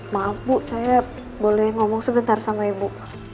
maaf bu saya boleh ngomong sebentar sama ibu